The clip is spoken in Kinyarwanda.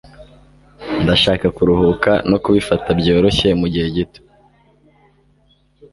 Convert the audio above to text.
Ndashaka kuruhuka no kubifata byoroshye mugihe gito.